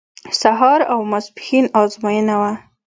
سهار او ماسپښین ازموینه وه.